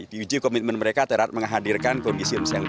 diuji komitmen mereka terhadap menghadirkan kondisi yang lebih baik